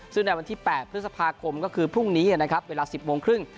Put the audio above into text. ซึ่งในวันที่๘พฤษภาคมก็คือพรุ่งนี้นะครับเวลา๑๐โมงครึ่ง